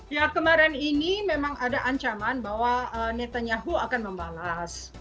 ya kemarin ini memang ada ancaman bahwa netanyahu akan membalas